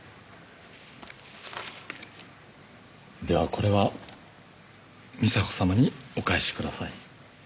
ではこれはミサコさまにお返しください。